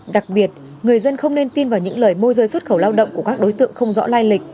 đặc biệt người dân không nên tin vào những lời môi rơi xuất khẩu lao động của các đối tượng không rõ lai lịch